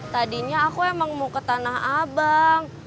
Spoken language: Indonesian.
tadinya aku emang mau ke tanah abang